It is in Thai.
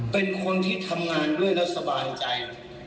เป็นคนที่ทำงานด้วยแล้วสบายใจ